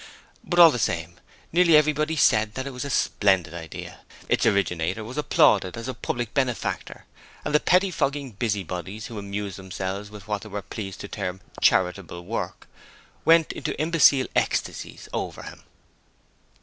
But all the same nearly everybody said it was a splendid idea: its originator was applauded as a public benefactor, and the pettifogging busybodies who amused themselves with what they were pleased to term 'charitable work' went into imbecile ecstasies over him.